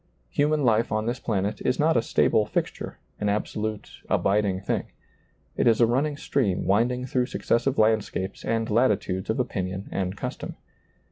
Human life on this planet is not a stable fixture, an abso lute, abiding thing. It is a running stream wind ing through successive landscapes and latitudes of opinion and custom.